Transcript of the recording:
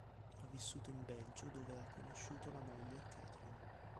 Ha vissuto in Belgio, dove ha conosciuto la moglie, Kathryn.